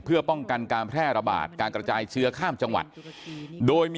เพื่อป้องกันการแพร่ระบาดการกระจายเชื้อข้ามจังหวัดโดยมี